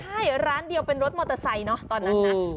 ใช่ร้านเดียวเป็นรถมอเตอร์ไซค์เนอะตอนนั้นนะ